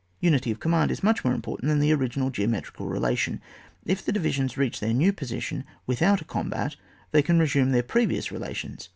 Unity of command is much more important than the original geometrical relation ; if the divisions reach their new position without a com bat, they can resume their previous re lations.